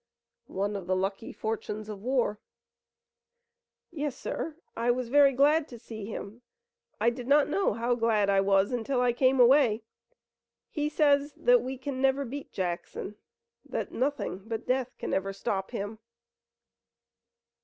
"One of the lucky fortunes of war." "Yes, sir, I was very glad to see him. I did not know how glad I was until I came away. He says that we can never beat Jackson, that nothing but death can ever stop him."